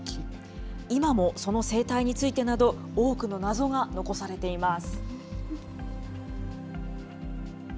今もその生態についてなど、多くの謎が残されています。